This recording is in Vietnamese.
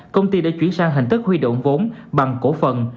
công ty đã chuyển sang hình thức huy động vốn bằng cổ phần